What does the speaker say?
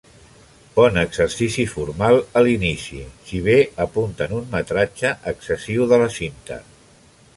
Bon exercici formal a l'inici, si bé apunten un metratge excessiu de la cinta.